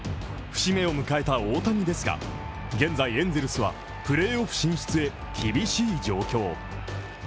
節目を迎えた大谷ですが現在、エンゼルスはプレーオフ進出へ厳しい状況。